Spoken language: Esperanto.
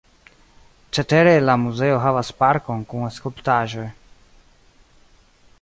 Cetere la muzeo havas parkon kun skulptaĵoj.